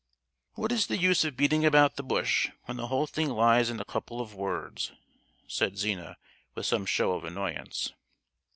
"What is the use of beating about the bush, when the whole thing lies in a couple of words?" said Zina, with some show of annoyance.